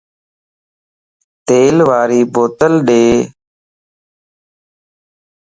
تيل واري بوتل ڏي